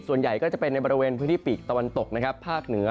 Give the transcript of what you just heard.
ส่วนใหญ่ก็จะเป็นในบริเวณพื้นที่ปีกตะวันตกนะครับภาคเหนือ